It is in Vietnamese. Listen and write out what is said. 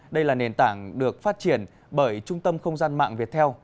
đây là nền tảng được phát triển bởi trung tâm không gian mạng viettel